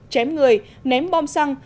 chém người ném bom xăng